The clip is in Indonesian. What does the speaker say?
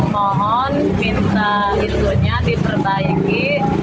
mohon minta hidupnya diperbaiki